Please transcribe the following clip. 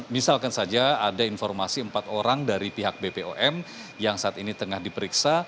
misalkan saja ada informasi empat orang dari pihak bpom yang saat ini tengah diperiksa